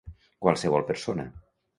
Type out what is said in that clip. Qualsevol persona.